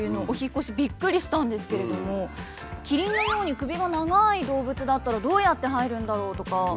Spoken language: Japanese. お引っ越しびっくりしたんですけれどもキリンのように首が長い動物だったらどうやって入るんだろうとか。